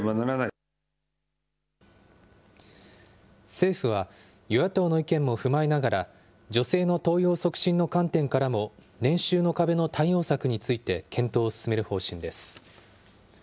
政府は、与野党の意見も踏まえながら、女性の登用促進の観点からも、年収の壁の対応策について検討を進める方針です。